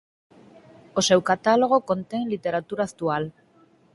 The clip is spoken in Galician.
O seu catálogo contén literatura actual.